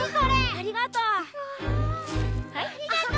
ありがとう！